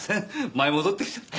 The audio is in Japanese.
舞い戻ってきちゃって。